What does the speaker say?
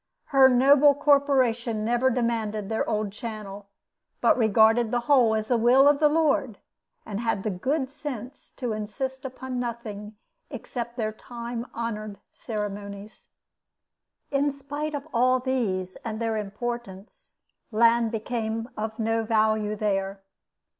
Her noble corporation never demanded their old channel, but regarded the whole as the will of the Lord, and had the good sense to insist upon nothing except their time honored ceremonies. In spite of all these and their importance, land became of no value there.